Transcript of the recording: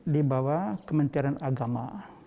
di bawah kementerian agama